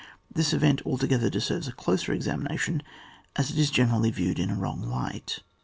This event altogether deserves a closer examination, as it is generally viewed in a wrong light.